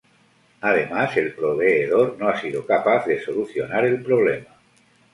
Además, el proveedor no ha sido capaz de solucionar el problema.